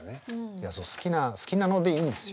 いや好きな好きなのでいいんですよ。